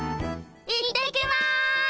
行ってきます！